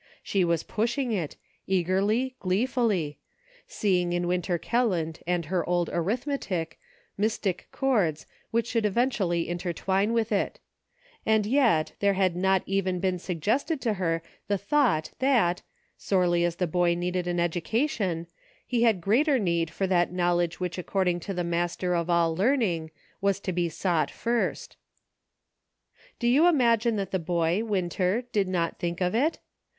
She was pushing it, eagerly, gleefully ; seeing in Winter Kelland and her old arithmetic mystic chords which should eventually intertwine with it ; and yet, there had not even been suggested to her the thought that, sorely as the boy needed an education, he had greater need for that knowledge which according to the Master of all learning was to be sought first. Do you imagine that the boy. Winter, did not think of it